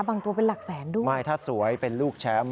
ตัวเป็นหลักแสนด้วยไม่ถ้าสวยเป็นลูกแชมป์